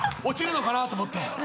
落ちるのかなと思って。